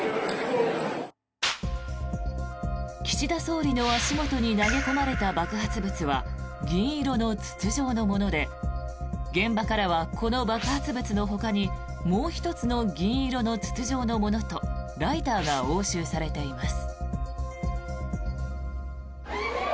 岸田総理の足元に投げ込まれた爆発物は銀色の筒状のもので現場からはこの爆発物のほかにもう１つの銀色の筒状のものとライターが押収されています。